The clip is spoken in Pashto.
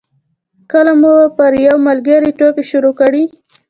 کله مو پر یو ملګري ټوکې شروع کړې.